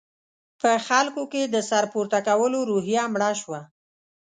په خلکو کې د سر پورته کولو روحیه مړه شوه.